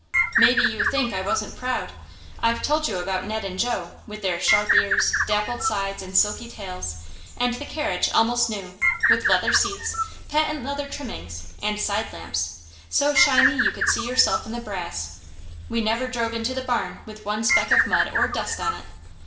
Maybe you think I wasn't proud! I've told you about Ned and Jo, with their sharp ears, dappled sides, and silky tails, and the carriage almost new, with leather seats, patent leather trimmings, and side lamps, so shiny you could see yourself in the brass. We never drove into the barn with one speck of mud or dust on it.